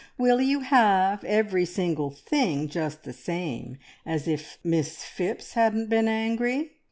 Will you have every single thing just the same as if Miss Phipps hadn't been angry?'